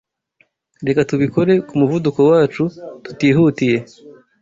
Reka tubikore ku muvuduko wacu tutihutiye.